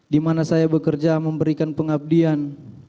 dimana saya bekerja memberikan pengabdian